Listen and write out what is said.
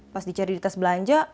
pas dicari di tas belanja